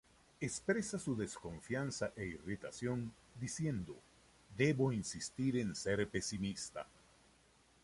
Expresa su desconfianza e irritación diciendo: "Debo insistir en ser pesimista".